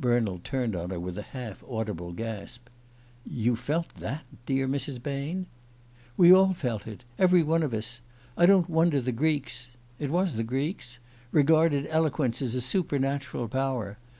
Bernald turned on her with a half audible gasp. "You felt that, dear Mrs. Bain?" "We all felt it every one of us! I don't wonder the Greeks it was the Greeks? regarded eloquence as a supernatural power.